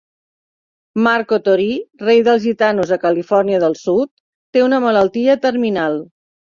Marco Torí, rei dels gitanos a Califòrnia del sud, té una malaltia terminal.